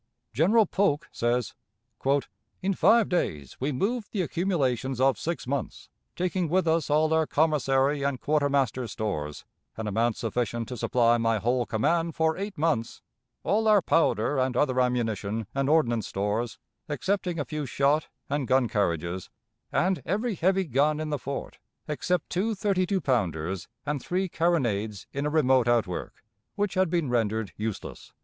General Polk says: "In five days we moved the accumulations of six months, taking with us all our commissary and quartermaster's stores an amount sufficient to supply my whole command for eight months all our powder and other ammunition and ordnance stores, excepting a few shot, and gun carriages, and every heavy gun in the fort, except two thirty two pounders and three carronades in a remote outwork, which had been rendered useless."